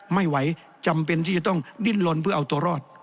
ไม่ไหวจำเป็นที่จะต้องดิ้นลนเพื่อเอาตัวรอด